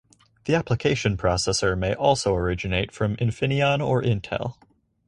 The application processor may also originate from Infineon or Intel.